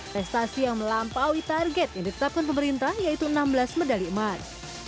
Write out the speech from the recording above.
prestasi yang melampaui target yang ditetapkan pemerintah yaitu enam belas medali emas